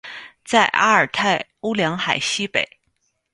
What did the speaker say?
在阿尔泰乌梁海西北。